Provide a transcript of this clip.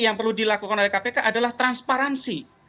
yang perlu dilakukan oleh kpk adalah transparansi